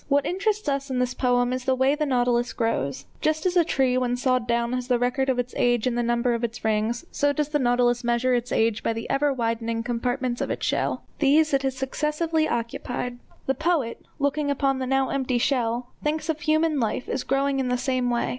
What interests us in this poem is the way the nautilus grows. Just as a tree when sawed down has the record of its age in the number of its rings, so does the nautilus measure its age by the ever widening compartments of its shell. These it has successively occupied. The poet, looking upon the now empty shell, thinks of human life as growing in the same way.